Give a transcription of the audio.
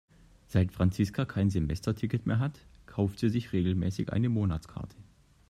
Seit Franziska kein Semesterticket mehr hat, kauft sie sich regelmäßig eine Monatskarte.